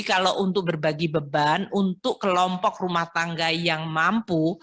kalau untuk berbagi beban untuk kelompok rumah tangga yang mampu